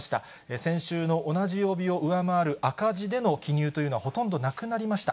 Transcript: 先週の同じ曜日を上回る赤字での記入というのはほとんどなくなりました。